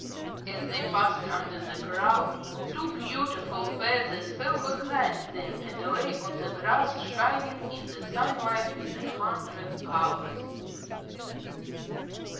As they passed under the Crow two beautiful feathers fell behind them and lay on the grass shining in the sunlight with a hundred colors.